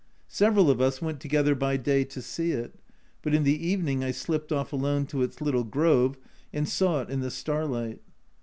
Several of us went together by day to see it but in the evening I slipped off alone to its little grove and saw it in the starlight.